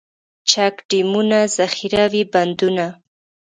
چک ډیمونه، ذخیروي بندونه.